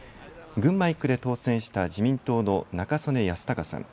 群馬１区で当選した自民党の中曽根康隆さん。